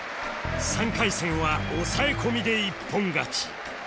３回戦は抑え込みで一本勝ち